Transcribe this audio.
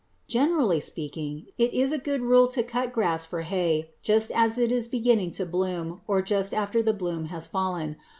Generally speaking, it is a good rule to cut grass for hay just as it is beginning to bloom or just after the bloom has fallen.